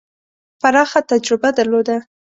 پراخه تجربه درلوده.